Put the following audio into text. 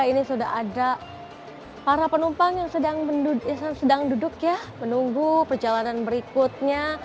ini sudah ada para penumpang yang sedang duduk ya menunggu perjalanan berikutnya